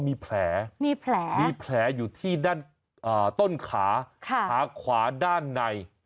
มีแผลอยู่ที่ด้านต้นขาขาขวาด้านใน